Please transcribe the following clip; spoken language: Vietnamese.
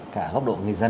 cả góc độ người dân